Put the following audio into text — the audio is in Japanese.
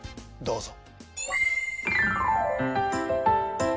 どうぞ。